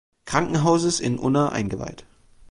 Krankenhauses in Unna eingeweiht.